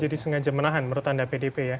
jadi sengaja menahan menurut anda pdip ya